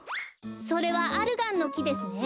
それはアルガンのきですね。